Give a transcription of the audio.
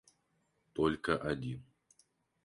Только один...